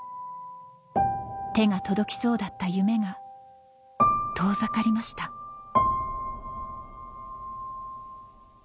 手が届きそうだった夢が遠ざかりましたまた。